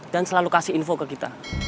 dan selalu kasih info ke kita